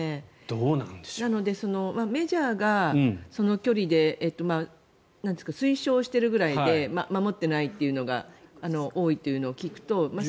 なので、メジャーがその距離で推奨しているくらいで守ってないっていうのが多いっていうのを聞くと。